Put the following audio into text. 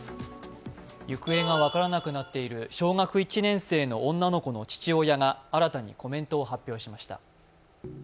行方が分からなくなっている小学１年生の父親が新たにコメントを発表しました。